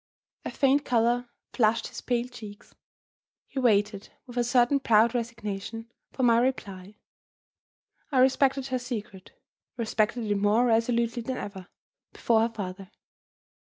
A faint color flushed his pale cheeks. He waited, with a certain proud resignation, for my reply. I respected her secret, respected it more resolutely than ever, before her father.